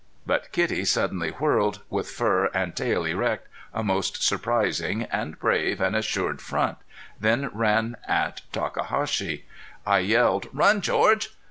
But kitty suddenly whirled, with fur and tail erect, a most surprising and brave and assured front, then ran at Takahashi. I yelled: "Run George!"